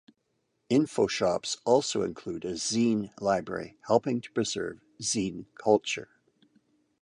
Infoshops also include a zine library, helping to preserve zine culture.